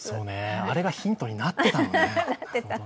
あれがヒントになっていたのね。